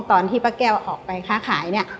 ตอนที่ป้าแก้วออกไปค้าขาย